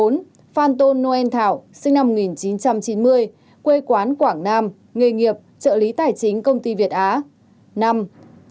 bốn phan tôn nô en thảo sinh năm một nghìn chín trăm chín mươi quê quán quảng nam nghề nghiệp thủ quỹ công ty việt á cửa hàng trưởng cửa hàng âu lạc